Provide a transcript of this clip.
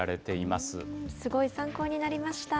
すごい参考になりました。